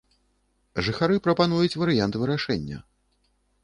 Жыхары прапануюць варыянт вырашэння.